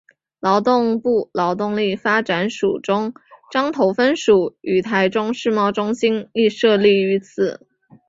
劳动部劳动力发展署中彰投分署与台中世贸中心亦设立于此。